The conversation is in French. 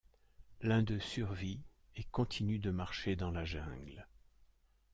L’un d’eux survit et continue de marcher dans la jungle.